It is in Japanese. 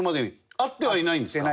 会ってはいないんですか？